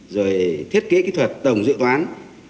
rồi thiết kế kỹ thuật tổng dự toán